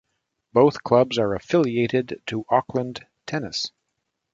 Both clubs are affiliated to Auckland Tennis.